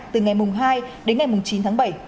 từ ngày hai đến ngày chín tháng bảy